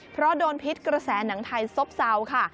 เพราะโดนพิษกระแสหนังไทยซบเซาค่ะ